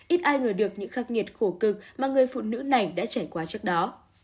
ít ai ngờ được những khắc nghiệt khổ cực mà người phụ nữ này đã trải qua trước đó